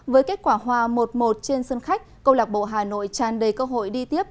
với kết quả hòa một một trên sân khách công lạc bộ hà nội tràn đầy cơ hội đi tiếp